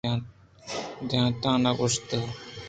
دنتاناں گوٛشت